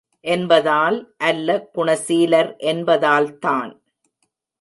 என்பதால் அல்ல குணசீலர் என்பதால்தான்.